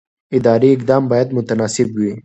اداري اقدام باید متناسب وي.